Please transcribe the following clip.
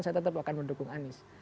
saya tetap akan mendukung anies